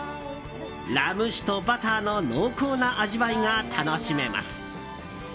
ラム酒とバターの濃厚な味わいが楽しめます。